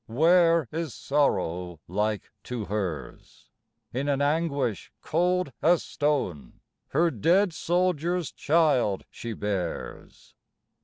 Where is sorrow like to hers ? In an anguish cold as stone Her dead soldier's child she bears.